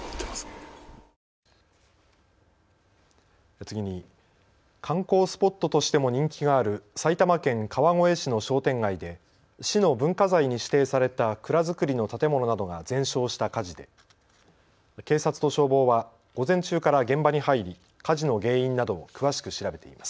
次に観光スポットとしても人気がある埼玉県川越市の商店街で市の文化財に指定された蔵造りの建物などが全焼した火事で警察と消防は午前中から現場に入り火事の原因などを詳しく調べています。